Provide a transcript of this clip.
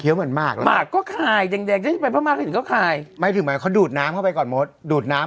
เคี้ยวเหมือนมากมากก็คายแดงแดงแดงแดงแดงแดงแดงแดงแดงแดงแดง